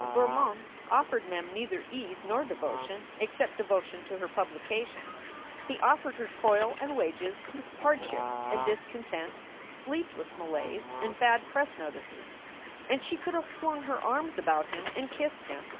Bermond offered Mem neither ease nor devotion except devotion to her publication. He offered her toil and wages, hardships and discontent, sleepless malaise, and bad press notices. And she could have flung her arms about him and kissed him.